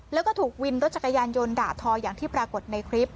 แล้วก็ถูกวินรถจักรยานยนต์ด่าทออย่างที่ปรากฏในคลิป